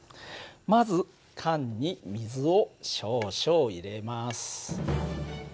まず缶に水を少々入れます。